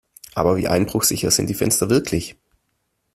Aber wie einbruchsicher sind die Fenster wirklich?